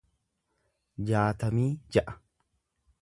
jaatamii ja'a